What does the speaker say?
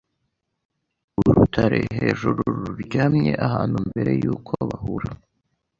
Urutare hejuru ruryamye ahantu mbere yuko bahura